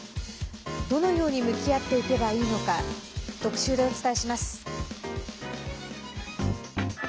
どのように向き合っていけばいいのか特集でお伝えします。